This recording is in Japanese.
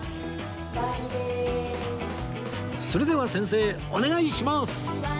それでは先生お願いします！